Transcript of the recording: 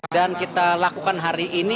dan kita lakukan hari ini